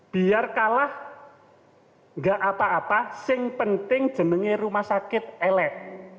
biar kalah nggak apa apa sing penting jenengi rumah sakit elek